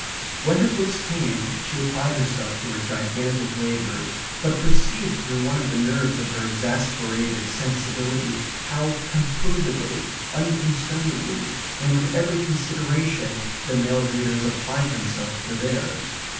When her books came she applied herself to her gigantic labours, but perceived through one of the nerves of her exasperated sensibility how composedly, unconcernedly, and with every consideration the male readers applied themselves to theirs.